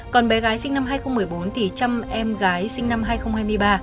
còn bé gái sinh năm hai nghìn một mươi bốn thì chăm em gái sinh năm hai nghìn hai mươi ba